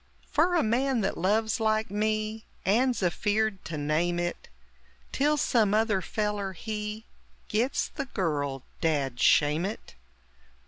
Fer a man that loves, like me, And's afeard to name it, Till some other feller, he Gits the girl dad shame it!